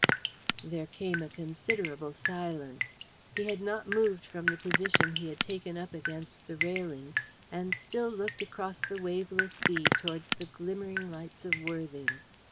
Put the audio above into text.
There came a considerable silence. He had not moved from the position he had taken up against the railing, and still looked across the waveless sea towards the glimmering lights of Worthing.